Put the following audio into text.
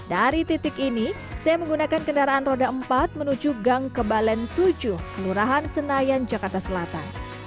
dari titik ini saya menggunakan kendaraan roda empat menuju gang kebalen tujuh kelurahan senayan jakarta selatan